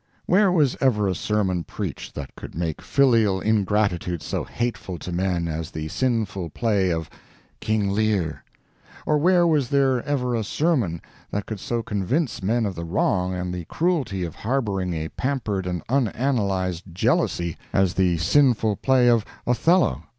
Where was ever a sermon preached that could make filial ingratitude so hateful to men as the sinful play of "King Lear"? Or where was there ever a sermon that could so convince men of the wrong and the cruelty of harboring a pampered and unanalyzed jealousy as the sinful play of "Othello"?